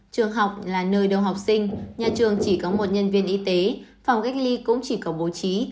trường học là nơi đâu học sinh nhà trường chỉ có một nhân viên y tế phòng cách ly cũng chỉ có bố trí